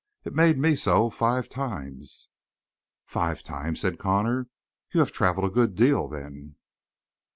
It made me so five times." "Five times?" said Connor. "You have traveled a good deal, then?"